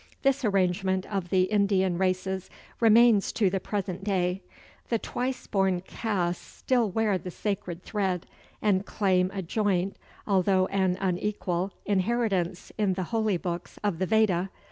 This arrangement of the Indian races remains to the present day. The "Twice born" castes still wear the sacred thread, and claim a joint, although an unequal, inheritance in the holy books of the Veda.